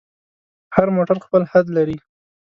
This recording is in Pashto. هر موټر خپل حد لري.